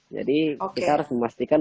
jadi kita harus memastikan